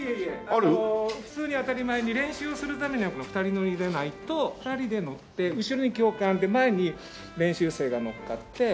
あの普通に当たり前に練習をするためにはこの２人乗りでないと２人で乗って後ろに教官で前に練習生が乗っかって。